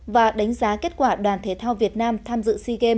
và đánh giá kết quả đoàn thể thao việt nam tham dự